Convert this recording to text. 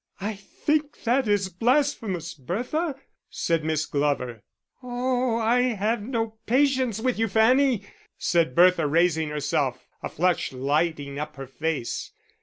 "I think that is blasphemous, Bertha," said Miss Glover. "Oh, I have no patience with you, Fanny," said Bertha, raising herself, a flush lighting up her face.